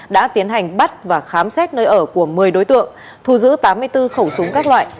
đã tiến hành bắt và khám xét nơi ở của một mươi đối tượng thu giữ tám mươi bốn khẩu súng các loại